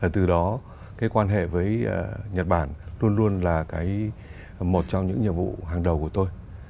từ đó cái quan hệ với nhật bản luôn luôn là một trong những nhiệm vụ hàng đầu của tôi